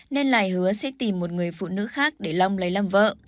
nên lai hứa sẽ tìm một người phụ nữ khác để lông lấy làm vợ